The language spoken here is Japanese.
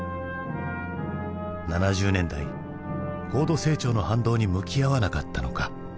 ７０年代高度成長の反動に向き合わなかったのか？